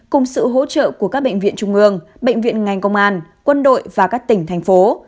cùng sự hỗ trợ của các bệnh viện trung ương bệnh viện ngành công an quân đội và các tỉnh thành phố